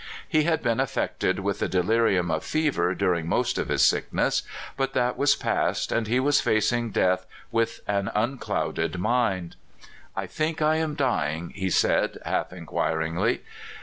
He had been affected with the delirium of fever during most of his sickness; but that was past, and he was facing death with an unclouded mind. '* I think I am dying," he said, half inquiringly.